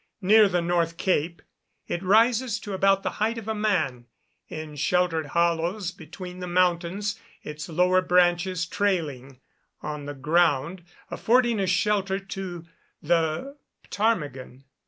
near the North Cape, it rises to about the height of a man, in sheltered hollows between the mountains, its lower branches trailing on the ground, affording a shelter to the ptarmigan.